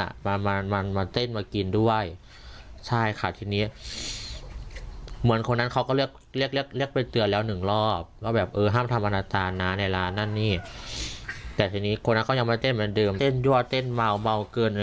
ทำแบบนี้เพื่ออะไรที่ต้องทำแบบนี้ทำไม